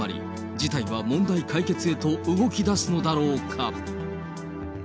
事態は問題解決へと動きだすのだろうか。